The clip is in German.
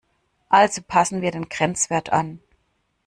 Also passen wir den Grenzwert an.